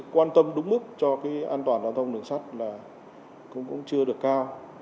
quan tâm đúng mức cho an toàn đoàn thông đường sắt cũng chưa được cao